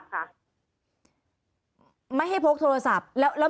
มันเป็นอาหารของพระราชา